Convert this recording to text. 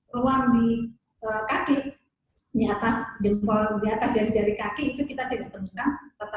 ruang di kaki di atas jari jari kaki itu kita tidak temukan